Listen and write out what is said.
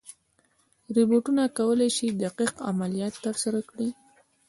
روبوټونه کولی شي دقیق عملیات ترسره کړي.